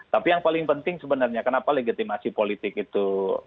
tapi yang paling penting sebenarnya kenapa legitimasi politik itu